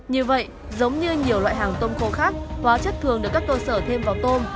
như vậy giống như nhiều loại hàng tôm khô khác hóa chất thường được các cơ sở thêm vào tôm